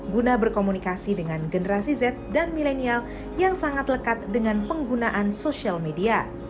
guna berkomunikasi dengan generasi z dan milenial yang sangat lekat dengan penggunaan sosial media